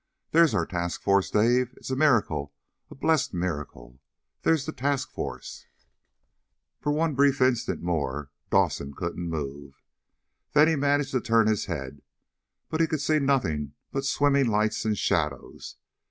_ There's our task force. Dave! It's a miracle, a blessed miracle! There's the task force!" For one brief instant more Dawson couldn't move. Then he managed to turn his head, but he could see nothing but swimming lights and shadows.